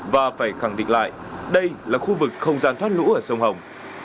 và phải khẳng định lại đây là khu vực không gian thoát lũ ở sông hồng